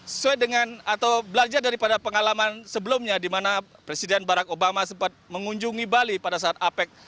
sesuai dengan atau belajar daripada pengalaman sebelumnya di mana presiden barack obama sempat mengunjungi bali pada saat apec